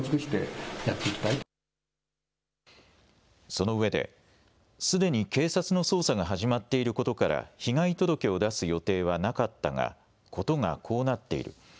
そのうえですでに警察の捜査が始まっていることから被害届を出す予定はなかったが事がこうなっている。